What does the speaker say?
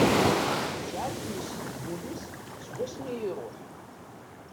Tecɛel tmes deg wul-is seg wass mi iṛuḥ.